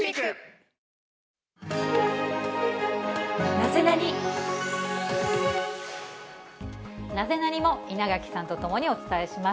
ナゼナニっ？も稲垣さんと共にお伝えします。